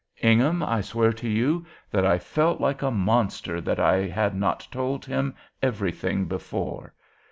"Ingham, I swear to you that I felt like a monster that I had not told him everything before.